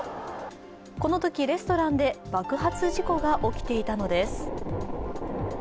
このとき、レストランで爆発事故が起きていたのです。